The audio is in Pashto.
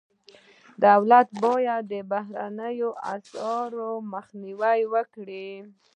دولت باید د بهرنیو اسعارو مخنیوی وکړي.